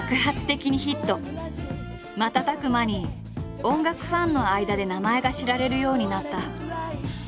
瞬く間に音楽ファンの間で名前が知られるようになった。